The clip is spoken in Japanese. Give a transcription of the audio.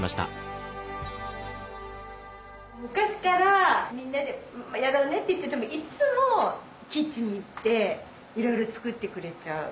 昔からみんなでやろうねって言っててもいっつもキッチンに行っていろいろ作ってくれちゃう。